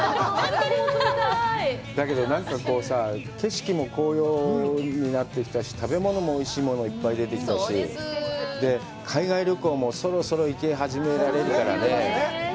だけど、なんか景色も紅葉になってきたし、食べ物もおいしいものがいっぱい出てきたし、海外旅行もそろそろ行き始められるからね。